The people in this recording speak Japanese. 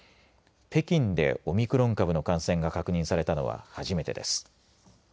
北京でオミクロン株の感染が確認されたのは初めてです。